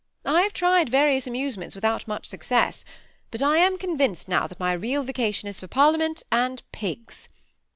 I have tried various amusements without much success ; but I am convinced now, that my real vocation is for parliament and pigs.